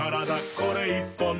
これ１本で」